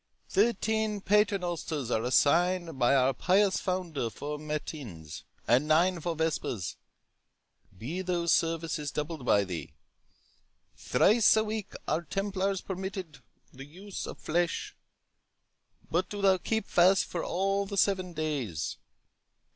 Thirteen paternosters are assigned by our pious founder for matins, and nine for vespers; be those services doubled by thee. Thrice a week are Templars permitted the use of flesh; but do thou keep fast for all the seven days.